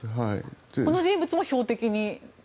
この人物も標的に？